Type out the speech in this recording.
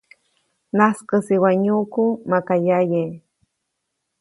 -Najskäsi waʼa nyuʼku maka yaye.-